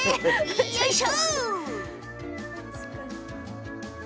よいしょ。